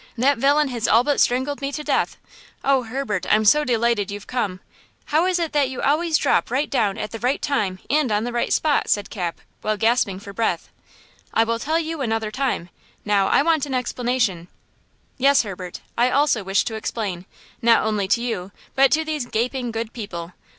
That villain has all but strangled me to death? Oh, Herbert, I'm so delighted you've come! How is it that you always drop right down at the right time and on the right spot?" said Cap, while gasping for breath. "I will tell you another time! Now I want an explanation." "Yes, Herbert; I also wish to explain–not only to you but to these gaping, good people!